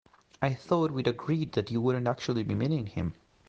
I thought we'd agreed that you wouldn't actually be meeting him?